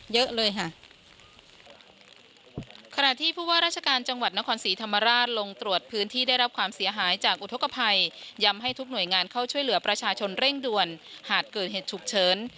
เยอะเลยค่ะขณะที่ผู้ว่าราชการจังหวัดนครศรีธรรมราชลงตรวจพื้นที่ได้รับความเสียหายจากอุทธกภัยย้ำให้ทุกหน่วยงานเข้าช่วยเหลือประชาชนเร่งด่วนหากเกิดเหตุฉุกเฉิน